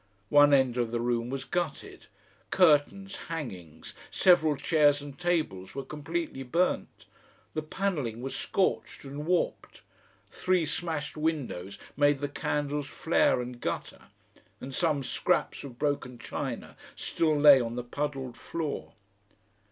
One end of the room was gutted, curtains, hangings, several chairs and tables were completely burnt, the panelling was scorched and warped, three smashed windows made the candles flare and gutter, and some scraps of broken china still lay on the puddled floor.